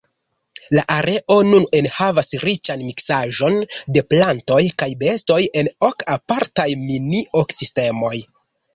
La areo nun enhavas riĉan miksaĵon de plantoj kaj bestoj en ok apartaj mini-ekosistemoj.